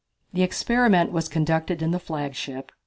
The experiment was conducted in the flagship.